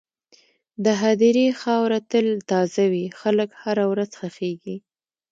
د هدیرې خاوره تل تازه وي، خلک هره ورځ ښخېږي.